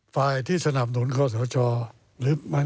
ฝ่ายที่สนับหนุนเขาสวชาติ